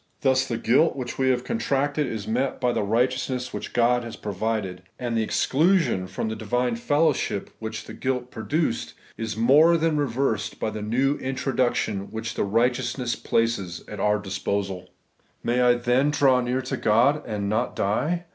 Thus the guilt which we have contracted is met by the righteous ness which God has provided; and the exclusion from the divine fellowship, which the guilt pro duced, is more than reversed by the new introduc tion which the righteousness places at our disposaL May I then draw near to God, and not die?